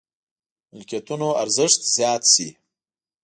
ملکيتونو ارزښت زيات شي.